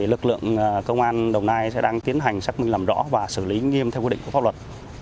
lực lượng công an đồng nai sẽ đang tiến hành xác minh làm rõ và xử lý nghiêm theo quy định của pháp luật